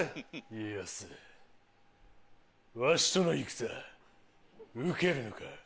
家康わしとの戦受けるのか？